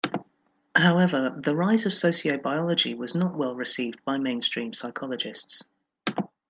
However, the rise of sociobiology was not well received by mainstream psychologists.